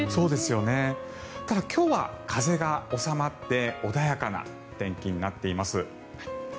ただ、今日は風が収まって穏やかな天気になっています。